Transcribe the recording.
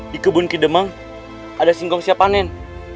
di kebun kidemang ada singkong siap panen